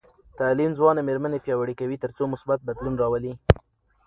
تعلیم ځوانې میرمنې پیاوړې کوي تر څو مثبت بدلون راولي.